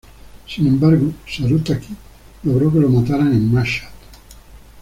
Sin embargo, Saru Taqi logró que lo mataran en Mashhad.